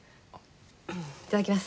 いただきます。